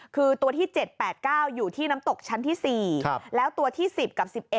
คือตัวที่๗๘๙อยู่ที่น้ำตกชั้นที่๔แล้วตัวที่๑๐กับ๑๑